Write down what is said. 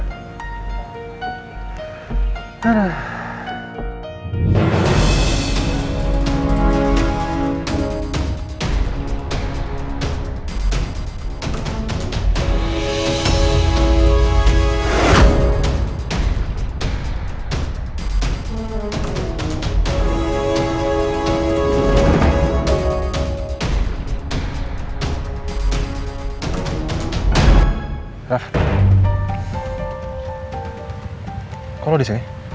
wih disuruh om martin